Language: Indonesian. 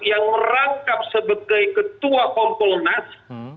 yang merangkap sebagai ketua kompul nas